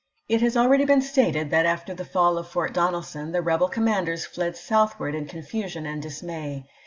It has been already stated that after the fall of Fort Donelson the rebel commanders fled south ward in confusion and dismay.